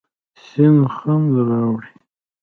سیند خوند راوړي.